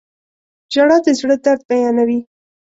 • ژړا د زړه درد بیانوي.